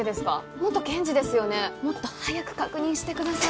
元検事ですよねもっと早く確認してください